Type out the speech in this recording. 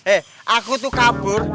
eh aku tuh kabur